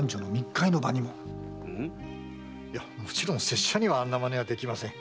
もちろん拙者にはあんな真似はできません。